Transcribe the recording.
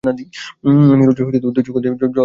নীরজার দুই চক্ষু দিয়ে জল ঝরে পড়তে লাগল।